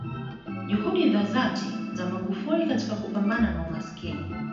Juhudi za dhati za magufi katika kupambana na umasikini